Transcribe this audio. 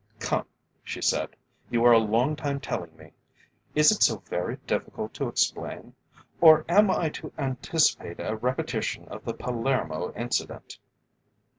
"Come," she said, "you are a long time telling me. Is it so very difficult to explain? Or am I to anticipate a repetition of the Palermo Incident?"